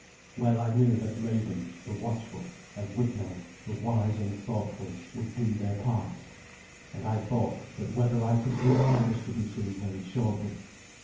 Well I knew that Raven, the watchful, and Withelm, the wise and thoughtful, would do their parts; and I thought that whether I could do mine was to be seen very shortly.